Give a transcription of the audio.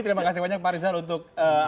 terima kasih banyak pak rizal untuk